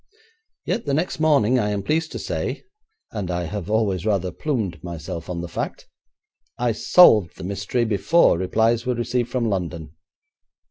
Yet the next morning, I am pleased to say, and I have always rather plumed myself on the fact, I solved the mystery before replies were received from London.